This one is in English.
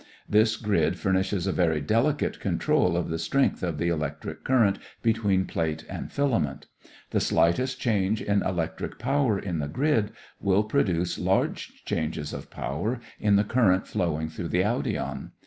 This grid furnishes a very delicate control of the strength of the electric current between plate and filament. The slightest change in electric power in the grid will produce large changes of power in the current flowing through the audion.